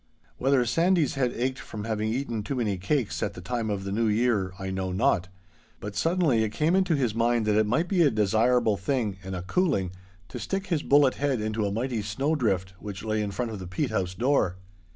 Whether Sandy's head ached from having eaten too many cakes at the time of the New Year, I know not, but suddenly it came into his mind that it might be a desirable thing and a cooling, to stick his bullet head into a mighty snowdrift which lay in front of the peat house door.